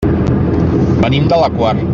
Venim de la Quar.